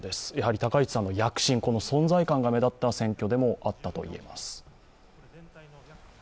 高市さんの躍進、存在感が目立った選挙でもあったと言えます。